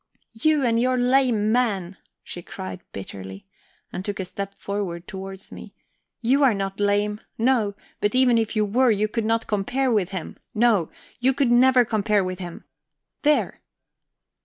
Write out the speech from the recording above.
"You and your lame man!" she cried bitterly, and took a step forward towards me. "You are not lame no; but even if you were, you could not compare with him; no, you could never compare with him. There!"